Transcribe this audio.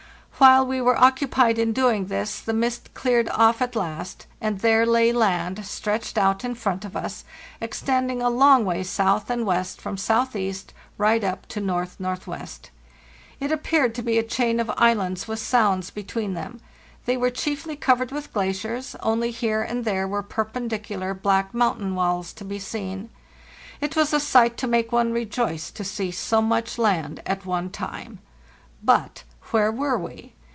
While we were occupied in doing this the mist cleared off at last, and there lay land stretched out in front of us, extending a long way south and west from S.E. right up to N.N.W. It appeared to be a chain of islands with sounds between them. They were chiefly covered with glaciers, only here and there were perpen dicular black mountain walls to be seen. It was a sight to make one rejoice to see so much land at one time. But where were we?